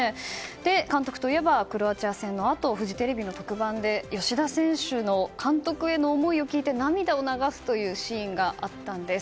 監督といえばクロアチア戦のあとフジテレビの特番で吉田選手の監督への思いを聞いて涙を流すというシーンがあったんです。